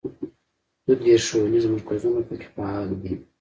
دوه دیرش ښوونیز مرکزونه په کې فعال دي.